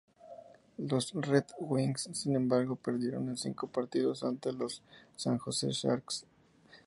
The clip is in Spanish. Los Red Wings, sin embargo, perdieron en cinco partidos ante los San Jose Sharks.